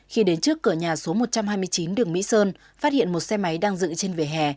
khi đến trước cửa nhà số một trăm hai mươi chín đường mỹ sơn phát hiện một xe máy đang dựng trên vỉa hè